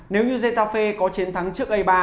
nếu như zetafe có chiến thắng trước a ba